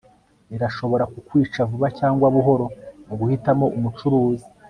irashobora kukwica vuba cyangwa buhoro; guhitamo umucuruzi